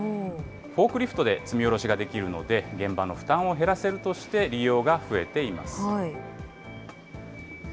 フォークリフトで積み降ろしができるので、現場の負担を減らせるとして利用が増えています。